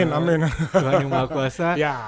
doanya umat kuasa supaya voli indonesia bisa berkembang